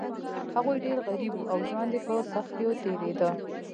هغوی ډیر غریب وو او ژوند یې په سختیو تیریده.